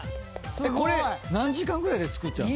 これ何時間ぐらいで作っちゃうの？